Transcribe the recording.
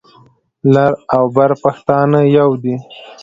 لر او بر پښتانه يو دي.